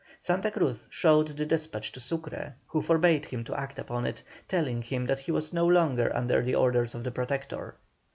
Santa Cruz showed the despatch to Sucre, who forbade him to act upon it, telling him that he was no longer under the orders of the Protector.